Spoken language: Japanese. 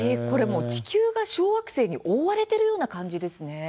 地球が小惑星に覆われているような感じですね。